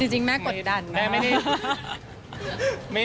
จริงแม่กดดั่นนะ